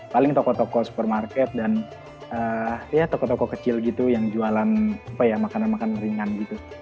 paling toko toko supermarket dan ya toko toko kecil gitu yang jualan apa ya makanan makanan ringan gitu